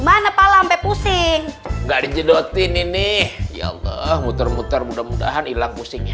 kepala mp pusing gak dijodohin ini ya allah muter muter mudah mudahan hilang pusing ya